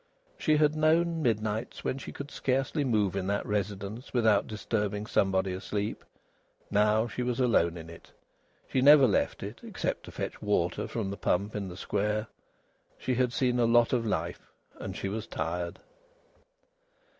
She had known midnights when she could scarcely move in that residence without disturbing somebody asleep. Now she was alone in it. She never left it, except to fetch water from the pump in the square. She had seen a lot of life, and she was tired.